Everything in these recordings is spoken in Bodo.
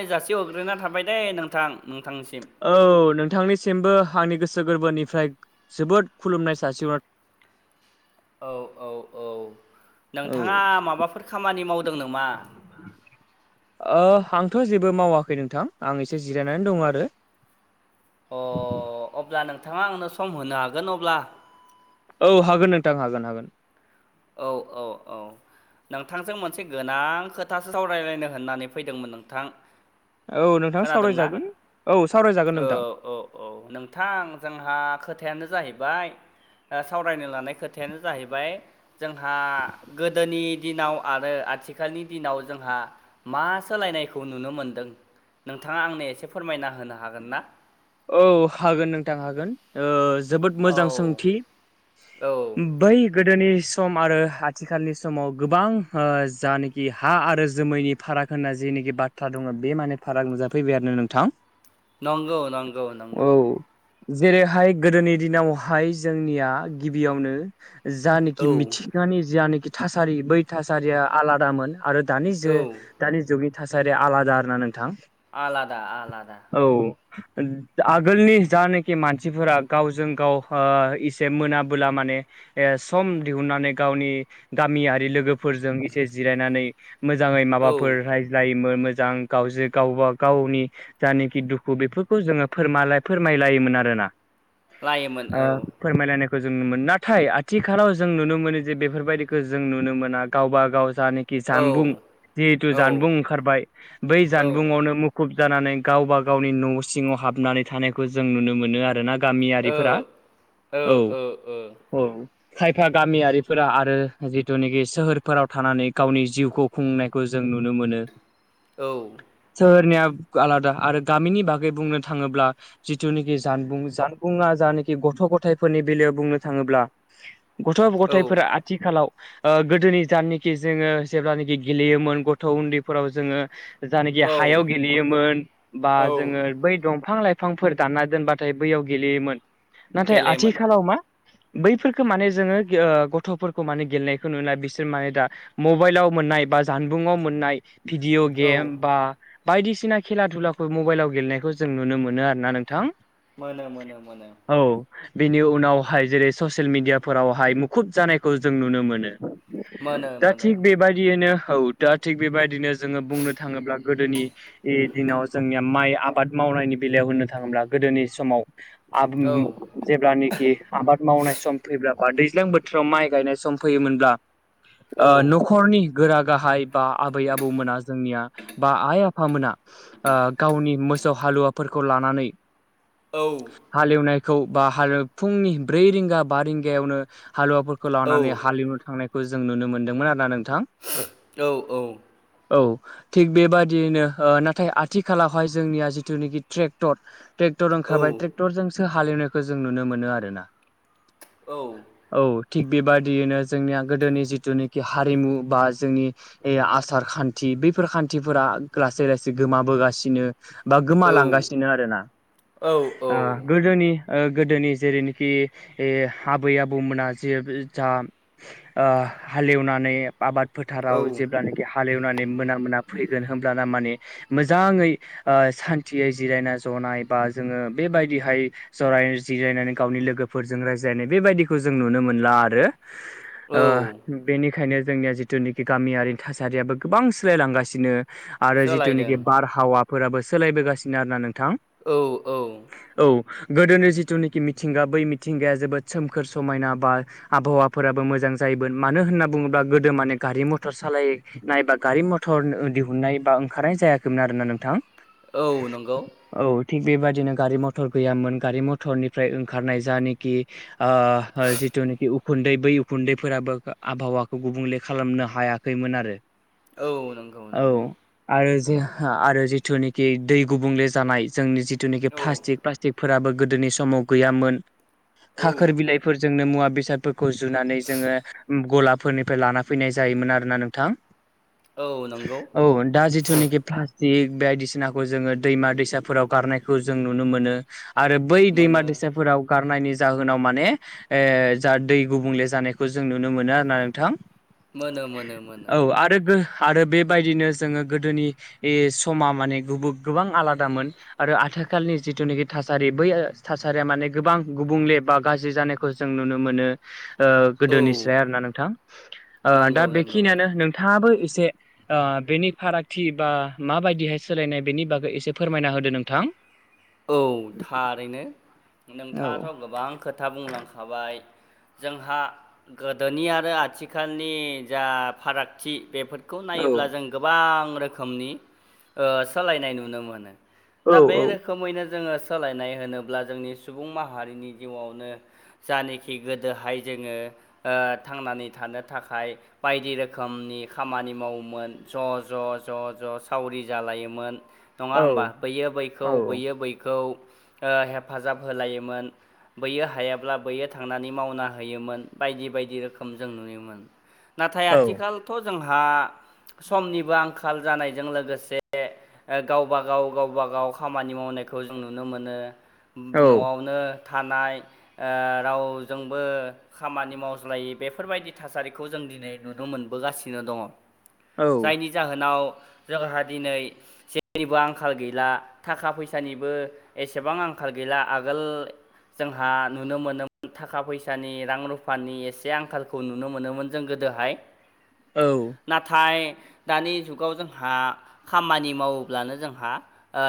नाइ जासि हरग्रोना थाबाय दैे नोंथां नोंथांनिसिम औ नोंथांनिसिमबो आंनि गोसो गोरबोनिफ्राय जोबोद खुलुमनाय जासिहर औ औ औ नोंथांङा माबाफोर खामानि मावदों नोमा? ओ आंथ' जेबो मावाखै नोंथां आं एसे जिरायनानै दंङ आरो अ अब्ला नोंथांङा आंनो सम होनो हागोन अब्ला औ हागोन नोंथां हागोन हागोन औ औ औ नोंथांजों मोनसे गोनां खोथासो सावरायलायनो होननानै फैदोंमोन नोंथां औ नोंथां खोनादोंना? सावरायजागोन औ सावरायजागोन औ नोंथां औ। औ नोंथां जोंहा खोथायानो जाहैबाय ओ सावरायनो लानाय खोथायानो जाहैबाय जोंहा गोदोनि दिनाव आरो आथिखालनि दिनाव जोंहा मा सोलायनायखौ नुनो मोनदों नोंथांङा आंनो एसे फोरमायना होनो हागोन ना? औ हागोन नोंथां हागोन ओ जोबोद मोजां औ सोंथि औ बै गोदोनि सम आरो आथिखालनि समाव गोबां ओ जानोखि हा आरो जोमैनि फाराग होनना जेनिखि बाथ्रा दंङ बे माने फाराग नुजाफैबाय आरोनो नोंथां नंगौ नंगौ औ नंगौ जेरैहाय गोदोनि दिनावहाय जोंनिया गिबियावनो जानिखि औ मिथिंगानि जानिखि थासारि बै थासारिया आलादामोन आरो दानि जे औ दानि जुगनि थासारिया आलादा आरोना नोंथां आलादा आलादा औ आगोलनि जानोखि मानसिफोरा गावजों गाव ओ एसे मोनाबोला माने ए सम दिहुनन्नानै गावनि गामियारि लोगोफोरजों एसे जिरायनानै मोजांङै औ माबाफोर रायज्लायोमोन मोजां गावजे गावबा गावनि जानिखि दुखु बेफोर खौ जोंङो फोर फोरमायलायोमोन आरोना लायोमोन औ फोरमायलायनायखौ जों नुनो मोनो नाथाय आथिखालाव जों नुनो मोनो जे बेफोरबायदिखौ जों नुनो मोना गावबा गाव जानि बि औ जानबुं जिहेतु औ ओ जानबुं ओंखारबाय बै जानबुंङावनो ओ मु मुखुब जानानै गावबा गावनि न' सिङाव हाबनानै थानायखौ जों नुनो मोनो आरोना गामियारिफोरा औ ओ औ खायफा गामियारिफोरा आरो जिथुनाखि सोहोरफोराव थानानै गावनि जिउखौ खुंनायखौ जों नुनो मोनो ओ औ सोहोरनिया आलादा आरो गामिनि बाग बुंनो थांङोब्ला जिथुनिखि जानबुं जानबुंङा जानिखि गथ' गथायफोरनि बेलायाव बुंनो थांङोब्ला गथ' औ गथायफोरा आथिखालाव ओ गोदोनि जाननिखि जोंङो जेब्लानिखि गेलेयोमोन गथ' उन्दैफोराव जोंङो जानाखि औ हायोमोन गेलेयोमोन बा औ जोङो बै दंफां लाइफांफोर दानना दोनबाथाय बैयाव गेलेयोमोन नाथाय गेलेयोमोन आथिखालाव मा बैफोरखौ माने जोङो गथ'फोरखौ माने गेलेनायखौ नुला बिसोर माने दा मबाइलाव मोननाय बा जानबुङाव मोननाय भिडिअ औ गेम बा बायदिसिना खेला दुलाखौ मबाइलाव गेलेनायखौ जों नुनो मोनो आरोोना नोंथां मोनो मोनो औ बेनि उनावहाय जेरै ससियेल मिेडियाफोरावहाय मुखुब जानायखौ जों नुनो मोनो। मोनो दा मोनो थिग बेबायदियनो औ दा थिग बेबायदिनो जोङो बुंनो थाङोब्ला गोदोनि दिनाव जोंनिया माइ आबाद मावनायनि बेलायाव होननो थाङोब्ला गोदोनि समाव आ औ जेब्लानाखि आबाद मावनाय सम फैब्ला बा दैज्लां बोथोराव माइ गायनाय सम फैयोमोनब्ला औ न'खरनि गोरा गाहाय बा आबै आबौमोना जोंनिया बा आइ आफा मोना गावनि फोसाव हालुवाफोरखौ लानानै औ हालेवनायखौ बा हाल फुंनि ब्रै रिंगा बा रिंगायावनो हालुवाफोरखौ खौ औ लानानै हालेवनो थांनायखौ जों नुनो मोन्दोंमोन आरो ना नोंथां औ औ औ थिग बेबादियैनो नाथाय आथिखालावहाय जोंनिया जिथुनाखि ट्रेक्टर ट्रेक्टर ओंखारबाय ट्रेक्टरजोंसो हालेवनायखौ जों नुनो मोनो आरो ना औ औ थिग बेबादियैनो जोंनिया गोदोनि जिथुनाखि हारिमु बा जोंनि ए आसार खान्थि बैफोर खान्थिफोरा लासै लासै गोमाबोगासिनो बा औ गोमालांगासिनो आरो ना औ गोदोनि ओ गोदोनि जेरैनोखि आबै आबौमोना जे जा ओ हालेवनानै आबाद औ फोथाराव जेब्लानाखि हालेवनानै मोना मोना फैगोन होमब्लाना माने मोजाङै ओ सान्थियै जिरायना जनाय बा जोङो बेबायदिहाय सराय जिरायनानै गावनि लोगोफोरजों रायज्लायनाय बेबायदिखौ जों नुनो मोनला आरो ओ औ बेनिखायनो जोंनिया जिथु जिथुनिखि गामियारिनि थासारियाबो गोबां सोलायलांगासिनो आरो सोलायदों जिथुनिखि बारहावा फोराबो सोलायबोगासिनो आरोना नोंथां औ औ औ गोदोनि जिथुनाखि मिथिंगा बै मिथिंगाया जोबोद सोमखोर समायना बा आबहावाफोराबो मोजां जायोमोन मानो होनना बुङोब्ला गोदो माने गारि मथर सालाय नायबा गारि मथर दिहुननाय बा ओंखारनाय जायाखैमोन आरो ना नोंथां औ नंगौ। औ थिग बेबादिनो गारि मथर गैयामोन गारि मथरनिफ्राय ओंखारनाय जानोखि ओ जिथुनाखि उखुन्दै बै उखुन्दैफोराबो आबहावाखौ गुबुंले खालामनो हाया होैमोन आरो औ नंगौ औ नंगौ आरो जेहा आरो जिथुनाखि दै गुबुंले जानाय जोंनि जि थुनाखि औ फ्लासतिक फ्लासतिक फोराबोबो गोदोनि समाव गैयामोन। औ खाखोर बिलाइ फोरजोंनो मुवा बेसादफोरखौ जुनानै जोङो गलाब फोरनिफ्राय लाना फैनाय जायोमोन आरोना नोंथां। औ नंगौ औ दा जिथुनाखि फ्ला थिग बायदिसिनाखौ जोङो दैमा दैसाफोराव गारनायखौ जों नुनो मोनो आरो बै दैमा मोनो दैसाफोराव गारनायनि जाहोनाव माने जा दै गुबुंले जानायखौ जों नुनो मोनो आरोोना नोंथां मोनो मोनो मोनो औ आरो आरो बेबायदिनो जोङो गोदोनि समा माने गुब गोबां आलादामोन आरो आथोखालनि जिथुनाखि थासारि बै थासारिया माने गोबां गुबुंले बा गाज्रि जानाय खौ जों नुनो मोनो ओ औ गोदोनिसाय आरोना नोंथां आ दा नंगौ नंगौ बेखिनियानो नों थाङाबो एसे ओ बेनि फारागथि बा माबाय बिहाय सोलायनाय बेनि बागै एसे फोरमायना होदो नोंथां। औ थारैनो औ नोंथाङाथ' गोबां खोथा बुंलांखाबाय जोंहा गोदोनि आरो आथिखालनि जा फारागथि बेफोर खौ औ नायोब्ला जों गोबां रोखोमनि ओ सोलायनाय नुनो मोनो। दा औ बे रोखोमैनो जोङो सोलायनाय होनोब्ला जोंनि सुबुं माहारिनि जिउआवनो जानेखि गोदोहाय जोङो ओ थांनानै थानो थाखाय बायदि रोखोमनि खामानि मावोमोन ज' ज' ज' ज' सावरि जालायोमोन नङा औ होमबा बैयो बैखौ औ बैयो बैखौ ओ हेफाजाब होलायोमोन बैयो हायाब्ला बैयो थांनानै मावना होयोमोन बायदि बायदि रोखोम जों नुयोमोन। नाथाय औ आथिखालथ' जोंहा समनिबो आंखाल जानायजों लोगोसे गावबा गाव गावबा गाव खा खामानि मावनायखौ जों नुनो मोनो औ न'आवनो थानाय ओ रावजोंबो खामानि मावज्लायै बेफोरबायदि थासारिखौ जों दिनै नुनो मोनबोगासिनो दङ'। जायनि जाहोनाव जोंहा दिनै जेरैबो आंखाल गैला थाखा फैसानिबो एसेबां आंखाल गैला आगोल जोंहा नुनो मोनोमोन थाखा फैसानि रां रुफानि एसे आंखालखौ नुनो मोनोमोन जों गोदोहाय औ नाथाय दानि जुगाव जोंहा खामानि मावोब्लानो जोंहा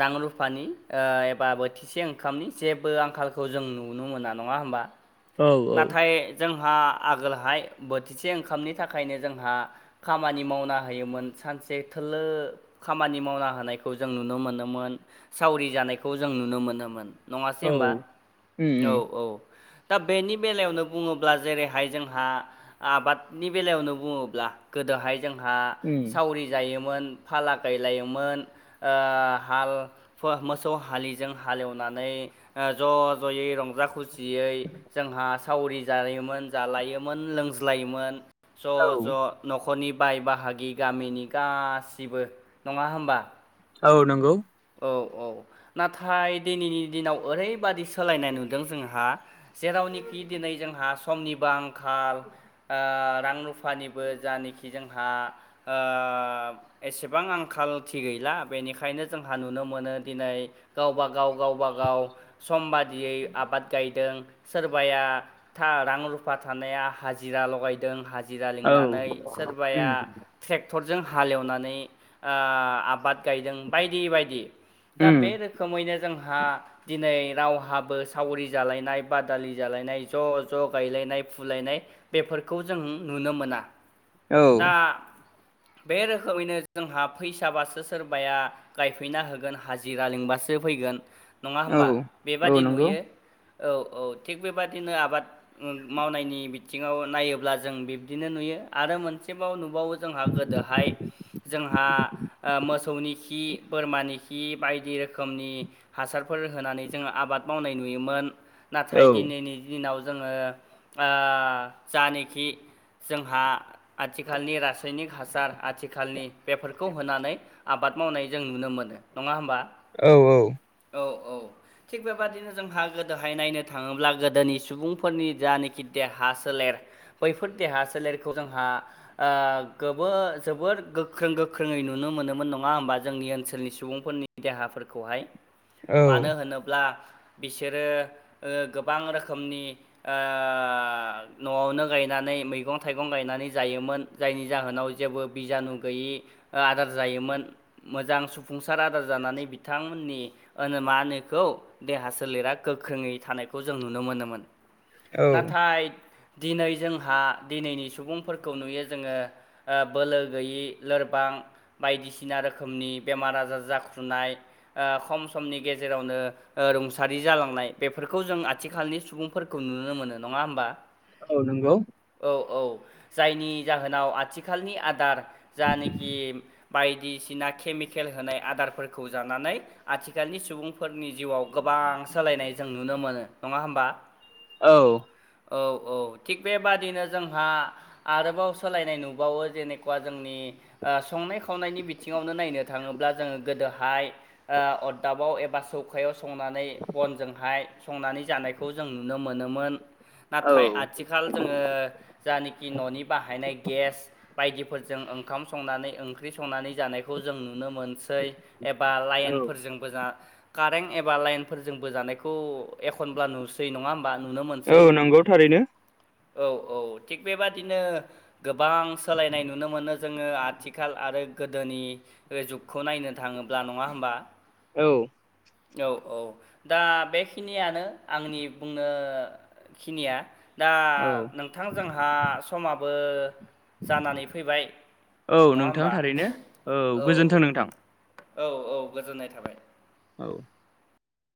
रां रुफानि ओ एबा बोथि से ओंखामनि जेबो आंखालखौ जों नुनो मोना नङा होमबा? औ नाथाय जोंहा आगोलहाय बोथिसे ओंखामनि थाखायनो जोंहा खामानि मावना होयोमोन सानसे थोलो खामानि मावना होनायखौ जों नुनो मोनोमोन सावरि जानायखौ जों नुनो मोनोमोन। नङासै होमबा औ उम औ औ दा बेनि बेलायावनो बुङोब्ला जेरैहाय जोंहा आबादनि बेलायावनो बुङोब्ला गोदोहाय जोंहा उम सावरि जायोमोन फाला गायलायोमोन ओ हाल फो मोसौ हालिजों हालेवनानै ओ ज' ज'यै रंजा खुसि यै जोंहा सावरि जायोमोन जालायोमोन लोंज्लायोमोन ज' औ ज' न'खरनि बाय बाहागि गामिनि गासिबो नङा होमबा? औ नंगौ औ औ नाथाय दिनैनि दिनाव ओरैबादि सोलायनाय नुदों जोंहा जेरावनोखि दिनै जोंहा समनिबो आंखाल ओ रां रुफा फानिबो जानखि जोंहा ओ एसेबां आंखालथि गैला बेनिखायनो जोंहा नुनो मोनो दिनै गावबा गाव गावबा गाव सम बादियै आबाद गायदों सोरबाया था रां रुफा थानाया हाजिरा लगायदों हा जिरा औ लिंनानै सोरबाया उम ट्रेक्टरजों हालेवनानै आ आबाद गायदों। बायदि बायदि दा उम बे रोखोमैनो जोंहा दिनै रावहाबो सावरि जालायनाय बादालि जालायनाय ज' ज' गायलायनाय फुलायनाय बेफोरखौ जों नुनो मोना। औ दा बे रोखोमैनो जोंहा फैसाबासो सोरबाया गायफैना होगोन हाजिरा लिंबासो फैगोन नङा औ होमबा औ बेबादि नंगौ नुयो। औ-औ थिग बेबादिनो आबाद मावनायनि बिथिङाव नायोब्ला जों बिब्दिनो नुयो आरो मोनसेबाव नुबावो जोंहा गोदोहाय जोंहा आ मोसौनि खि बोरमानि खि बायदि रोखोमनि हासारफोर होनानै जोङो आबाद मावनाय नुयोमोन। औ नाथाय दिनैनि दिनाव जोङो जानखि जोंहा आथिखालनि रासायनिक हासार आथिखालनि बेफोरखौ होनानै आबाद मावनाय जों नुनो मोनो नङा होमबा? औ औ। औ औ। थिग बेबादिनो जोंहा गोदोहाय नायनो थाङोब्ला गोदोनि सुबुंफोरनि जानखि देहा सोलेर बैफोर देहा सोलेरखौ जोंहा गो जोबोद गोख्रों गोख्रोङै नुनो मोनोमोन नङा होमबा? जोंनि ओनसोलनि सुबुंफोरनि देहाफोरखौहाय औ मानो होनोब्ला बिसोरो ओ गोबां रोखोमनि ओ न'आवनो गायनानै मैगं थाइगं गायनानै जायोमोन। जायनि जाहोनाव जेबो बिजानु गैयै आदार जायोमोन। मोजां सफुंसार आदार जानानै बिथांमोननि ओनो मा होनो इखौ देहा सोलेरा गोख्रोङै थानायखौ जों नुनो मोनोमोन। औ नाथाय दिनै जोंहा दिनैनि सुबुंफोरखौ नुयो जोङो बोलो गैयि लोरबां बायदिसिना रो खोमनि बेमार आजार जाखुनाय खम समनि गेजेरावनो ओ रुंसारि जालांनाय बेफोरखौ जों आथिखालनि सुबुंफोरखौ नुनो मोनो नङा होमबा? औ नोंगौ। औ औ जायनि जाहोनाव आथिखालनि आदार जानखि बायदिसिना केमिकेल होनाय आदारफोरखौ जानानै आथिखालनि सुबुंफोरनि जिउआव गोबां सोलायनाय जों नुनो मोनो नङा होमबा? औ। औ औ थिग बेबादिनो जोंहा आरोबाव सोलायनाय नुबावो जेनेखा जोंनि संनाय खावनायनि बि थिङावनो नायनो थाङोब्ला जोङो गोदोहाय अरदाबाव एबा सौ खायाव संनानै बनजोंहाय संनानै जानायखौ जों नुनो मोनोमोन। नाथाय औ आथिखाल जोङो जानखि न'नि बाहायनाय गेस बायदिफोरजों ओंखाम संनानै ओंख्रि संनानै जखौ जों नुनो मोनसै एबा लाइनफोरजों बोजा कारेन्ट एबा लाइन फोरजोंबोो जानायखौ एखनब्ला नुसै नङा होम बा नुनो मोनस औ नंगौ थारैनो औ औ थि बेबादिनो। गोबां सोलायनाय नुनो मोनो जोङो आथिखाल आरो गोदोनि रो जुगखौ नायनो थाङोब्ला नङा होमबा? औ। औ औ दा बेखिनियानो आंनि बुंनो खिनिया दा औ नोंथां जोंहा समाबो जानानै फैबाय। औ नङा नोंथां होमबा थारैनो औ औ गोजोन्थों नोंथां। औ औ गोजोननाय थाबाय। औ।